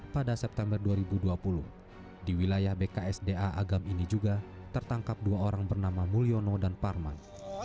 pada september dua ribu dua puluh di wilayah bksda agam ini juga tertangkap dua orang bernama mulyono dan parman